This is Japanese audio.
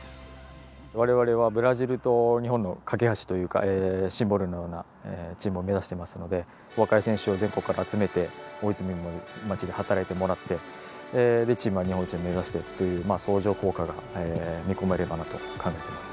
我々はブラジルと日本の懸け橋というかシンボルのようなチームを目指してますので若い選手を全国から集めて大泉の町で働いてもらってチームは日本一を目指すという相乗効果が見込めればなと考えています。